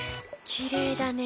きれいだね。